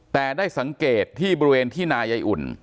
แต่ได้สังเกตที่บริเวณที่นายายอุ่น